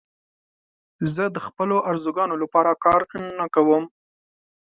زه د خپلو آرزوګانو لپاره کار نه کوم.